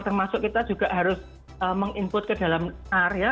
termasuk kita juga harus meng input ke dalam area